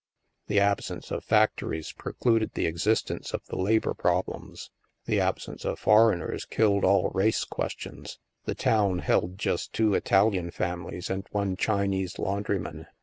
The absence of factories precluded the existence of the labor problems; the absence of foreigners killed all race questions; the town held just two Italian families and one Chinese laundryman.